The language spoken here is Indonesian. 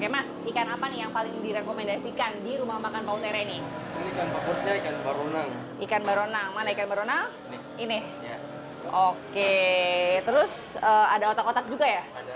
mana ikan baronang ini oke terus ada otak otak juga ya